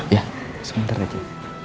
iya sebentar aja